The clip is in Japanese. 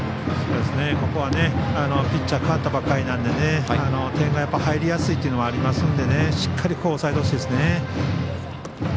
ここはピッチャー代わったばかりなので点が入りやすいというのはありますのでしっかり抑えてほしいですね。